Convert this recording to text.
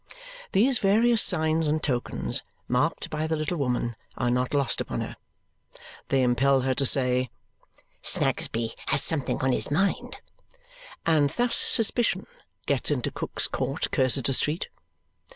These various signs and tokens, marked by the little woman, are not lost upon her. They impel her to say, "Snagsby has something on his mind!" And thus suspicion gets into Cook's Court, Cursitor Street.